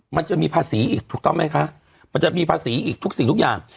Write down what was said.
มันจะมีภาษีอีกถูกต้องไหมคะมันจะมีภาษีอีกทุกสิ่งทุกอย่าง